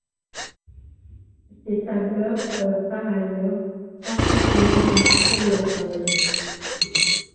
Ces tableurs peuvent par ailleurs parfaitement remplir leur rôle.